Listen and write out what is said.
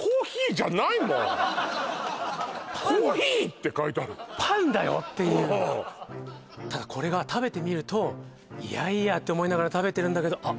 これ「コーヒー」って書いてある「パンだよ」っていうただこれが食べてみるといやいやって思いながら食べてるんだけどあっ